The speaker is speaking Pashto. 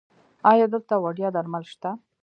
ایا دلته وړیا درمل شته؟